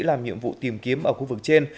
làm nhiệm vụ tìm kiếm ở khu vực trên